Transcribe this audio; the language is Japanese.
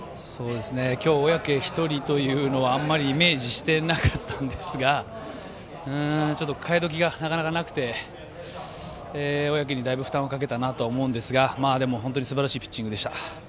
今日、小宅１人というのはイメージしてなかったんですが代え時がなかなかなくて、小宅にだいぶ負担をかけたなと思うんですがでも、本当にすばらしいピッチングでした。